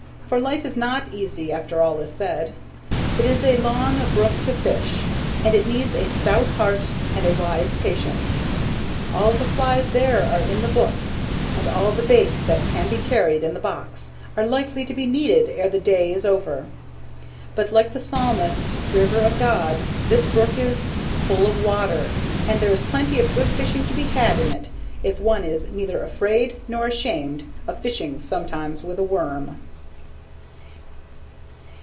For life is not easy, after all is said. It is a long brook to fish, and it needs a stout heart and a wise patience. All the flies there are in the book, and all the bait that can be carried in the box, are likely to be needed ere the day is over. But, like the Psalmist's "river of God," this brook is "full of water," and there is plenty of good fishing to be had in it if one is neither afraid nor ashamed of fishing sometimes with a worm.